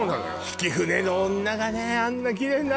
曳舟の女がねあんなキレイになるかね？